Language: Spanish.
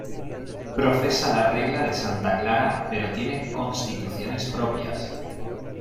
Profesa la Regla de Santa Clara pero tiene Constituciones propias.